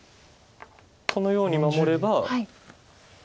このように守れば。